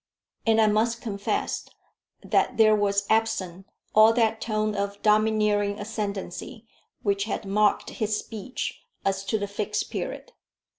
And I must confess that there was absent all that tone of domineering ascendancy which had marked his speech as to the Fixed Period.